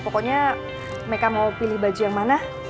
pokoknya mereka mau pilih baju yang mana